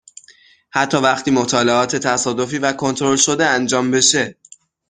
حتی وقتی مطالعات تصادفی و کنترل شده انجام بشه!